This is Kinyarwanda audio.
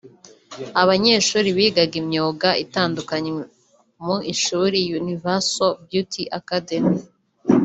Abanyeshuri bigaga imyuga itandukanye mu ishuri Universal Beauty Academy